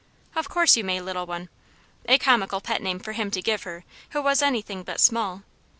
"Of course you may, little one." A comical pet name for him to give her, who was anything but small.